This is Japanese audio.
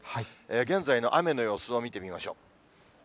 現在の雨の様子を見てみましょう。